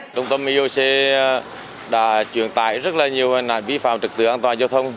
trung tâm ioc đã truyền tải rất nhiều hình ảnh vi phạm trật tự an toàn giao thông